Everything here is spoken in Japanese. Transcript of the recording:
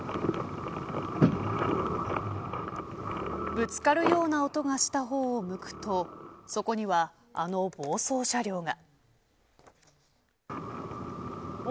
ぶつかるような音がした方を向くとそこには、あの暴走車両が。